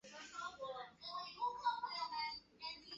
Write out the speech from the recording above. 弗尔里埃圣伊莱尔。